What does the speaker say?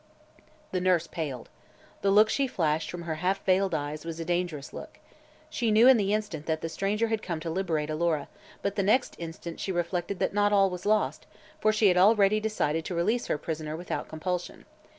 The nurse paled. The look she flashed from her half veiled eyes was a dangerous look. She knew, in the instant, that the stranger had come to liberate Alora, but the next instant she reflected that all was not lost, for she had already decided to release her prisoner without compulsion.